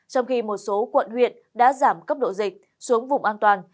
trong khi một số quận huyện đã giảm cấp độ dịch xuống vùng an toàn